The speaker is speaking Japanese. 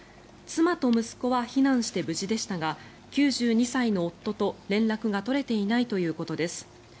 妻と息子は避難して無事でしたが９２歳の夫と連絡が取れていないということです。